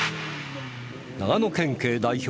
長野県警代表